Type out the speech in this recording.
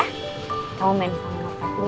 kita main sama merpati sama mama sama papa ya